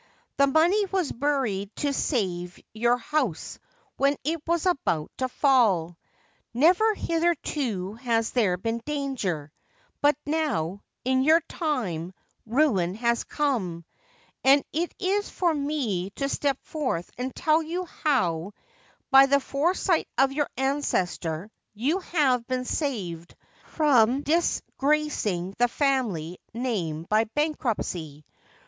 The money was buried to save your house when it was about to fall. Never hitherto has there been danger ; but now, in your time, ruin has come, and it is for me to step forth and tell you how by the foresight of your ancestor you have been saved from dis gracing the family name by bankruptcy.